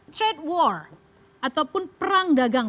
trade war ataupun perang dagang